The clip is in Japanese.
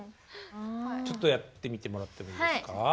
ちょっとやってみてもらってもいいですか？